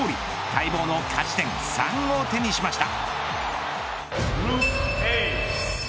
待望の勝ち点３を手にしました。